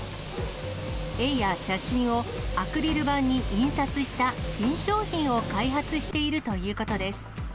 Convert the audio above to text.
絵や写真をアクリル板に印刷した新商品を開発しているということです。